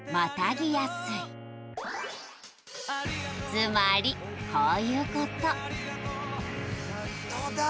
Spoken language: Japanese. つまりこういうことほんとだ！